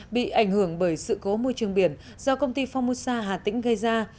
bị ảnh hưởng bởi sự cố môi trường biển do công ty phongmosa hà tĩnh gây ra